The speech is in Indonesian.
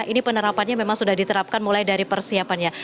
ini penerapannya memang sudah diterapkan mulai dari persiapannya